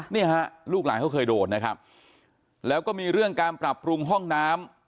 เนี่ยฮะลูกหลานเขาเคยโดนนะครับแล้วก็มีเรื่องการปรับปรุงห้องน้ำ